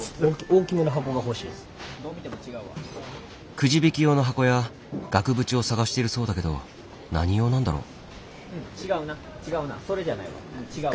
くじ引き用の箱や額縁を探しているそうだけど何用なんだろう？